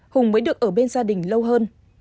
hùng mới được ở bên gia đình lâu hơn